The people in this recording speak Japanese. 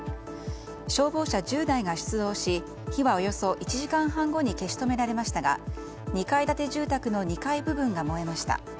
消防車１０台が出動し火はおよそ１時間半後に消し止められましたが２階建て住宅の２階部分が燃えました。